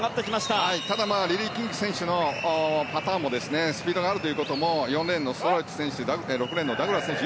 ただリリー・キング選手のパターンもスピードがあるということも４レーンのストラウチ選手